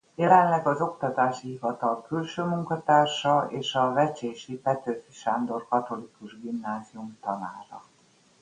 Jelenleg az Oktatási Hivatal külső munkatársa és a vecsési Petőfi Sándor Katolikus Gimnázium tanára.